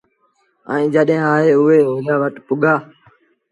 ائيٚݩ جڏهيݩ آئي اُئي اوليآ وٽ پُڳآ